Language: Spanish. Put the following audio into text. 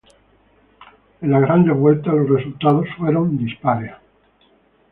En las Grandes Vueltas los resultados fueron dispares.